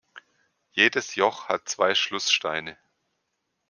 Jedes Joch hat zwei Schlusssteine.